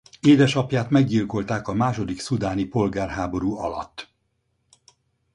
Édesapját meggyilkolták a második szudáni polgárháború alatt.